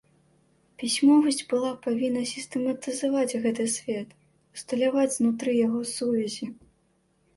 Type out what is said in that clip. Пісьмовасць была павінна сістэматызаваць гэты свет, усталяваць знутры яго сувязі.